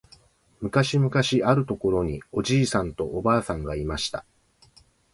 むかしむかしあるところにおじいさんとおばあさんがいました。